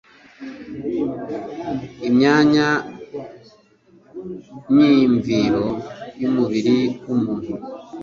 imyanya myumviro y'umubiri w'umuntu